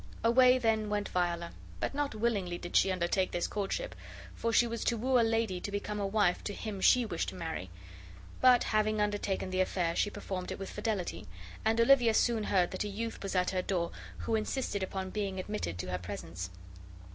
Away then went Viola; but not willingly did she undertake this courtship, for she was to woo a lady to become a wife to him she wished to marry; but, having undertaken the affair, she performed it with fidelity, and Olivia soon heard that a youth was at her door who insisted upon being admitted to her presence.